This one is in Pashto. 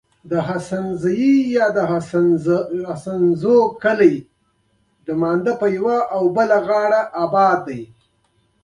کله چې دوی ټول زاړه ډرایوونه کور ته راوړل